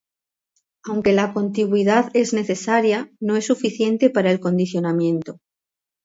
Aunque la contigüidad es necesaria, no es suficiente para el condicionamiento.